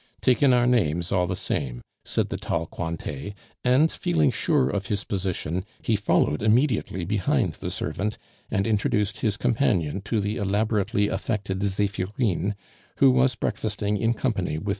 "Take in our names, all the same," said the tall Cointet; and feeling sure of his position, he followed immediately behind the servant and introduced his companion to the elaborately affected Zephirine, who was breakfasting in company with M.